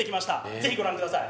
是非ご覧ください